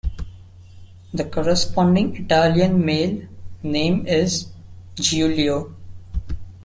The corresponding Italian male name is Giulio.